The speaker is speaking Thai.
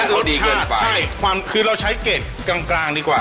และรสชาติใช่ความคือเราใช้เกร็ดกลางดีกว่า